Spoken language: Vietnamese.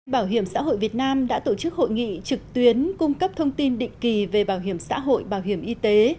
bảo hiểm xã hội việt nam đã tổ chức hội nghị trực tuyến cung cấp thông tin định kỳ về bảo hiểm xã hội bảo hiểm y tế